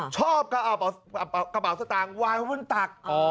ชอบก็เอากระเป๋าสตางค์วายขึ้นตัก